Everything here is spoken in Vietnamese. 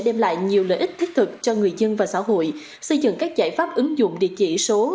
đem lại nhiều lợi ích thích thực cho người dân và xã hội xây dựng các giải pháp ứng dụng địa chỉ số